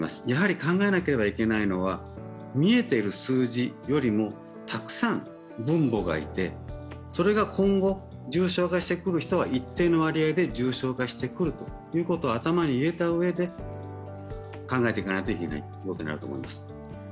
やはり考えなければいけないのは見えている数字よりもたくさん分母がいて、それが今後、重症化してくる人は一定の割合で重症化してくるということを頭に入れたうえで考えていかないといけないと思います。